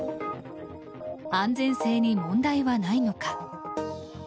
安全性に問題はないのか。